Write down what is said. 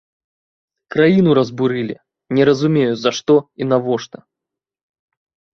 Краіну разбурылі, не разумею, за што і навошта.